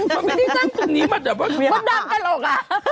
มันไม่ได้นั่งตรงนี้มาแบบว่าดำกันหรอก